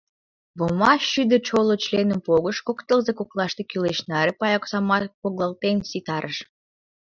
Вома шӱдӧ чоло членым погыш, кок тылзе коклаште кӱлеш наре пай оксамат погкален ситарыш.